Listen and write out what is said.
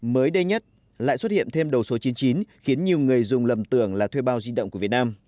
mới đây nhất lại xuất hiện thêm đầu số chín mươi chín khiến nhiều người dùng lầm tưởng là thuê bao di động của việt nam